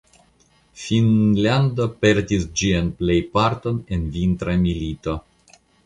Finnlando perdis ĝian plejparton en Vintra milito.